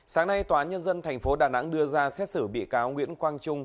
sáng nay tòa nhân dân tp đà nẵng đưa ra xét xử bị cáo nguyễn quang trung